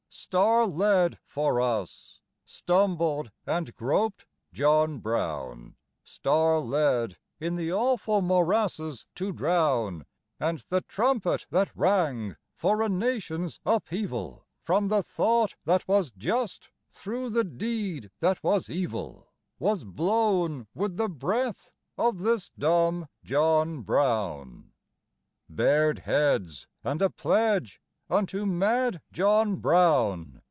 Star led for us, stumbled and groped John Brown, Star led, in the awful morasses to drown; And the trumpet that rang for a nation's upheaval, From the thought that was just, thro' the deed that was evil, Was blown with the breath of this dumb John Brown! Bared heads and a pledge unto mad John Brown!